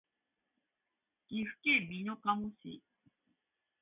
岐阜県美濃加茂市